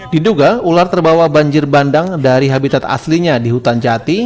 diduga ular terbawa banjir bandang dari habitat aslinya di hutan jati